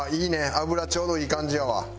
油ちょうどいい感じやわ。